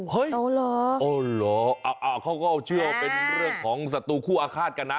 เฮ้ยโอ้หรอโอ้หรอโอ้เขาก็เชื่อเป็นเรื่องของสัตว์คู่อาฆาตกันนะ